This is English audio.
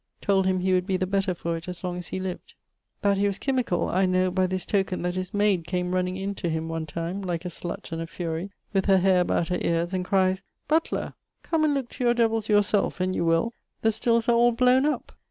Told him he would be the better for't as long as he lived. That he was chymical I know by this token that his mayd came running in to him one time, like a slutt and a furie, with her haire about her eares, and cries, 'Butler! come and looke to your Devills yourselfe, and you will: the stills are all blowne up!'